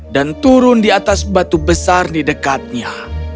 turun di atas batu besar di dekatnya